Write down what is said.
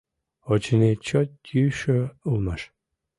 Очыни, чот йӱшӧ улмаш.